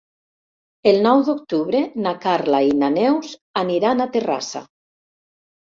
El nou d'octubre na Carla i na Neus aniran a Terrassa.